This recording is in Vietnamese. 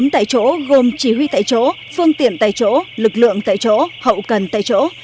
bốn tại chỗ gồm chỉ huy tại chỗ phương tiện tại chỗ lực lượng tại chỗ hậu cần tại chỗ